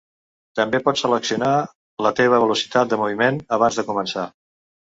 També pots seleccionar la teva velocitat de moviment abans de començar.